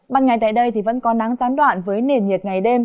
ban ngày tại đây vẫn có nắng gián đoạn với nền nhiệt ngày đêm